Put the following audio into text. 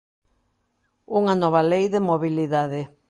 Unha nova lei de mobilidade.